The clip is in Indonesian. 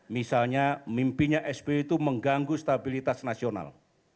misalnya mimpinya sby itu mengganggu stabilitas nasional